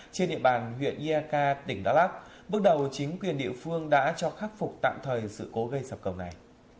trên địa bàn huyện iak tỉnh đắk lắc bước đầu chính quyền địa phương đã cho khắc phục tạm thời sự cố gây sập cầu này